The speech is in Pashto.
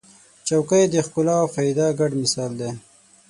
چوکۍ د ښکلا او فایده ګډ مثال دی.